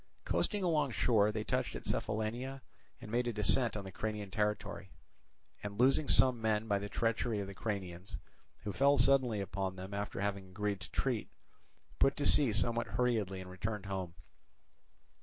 Coasting along shore they touched at Cephallenia and made a descent on the Cranian territory, and losing some men by the treachery of the Cranians, who fell suddenly upon them after having agreed to treat, put to sea somewhat hurriedly and returned home.